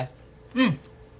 うん。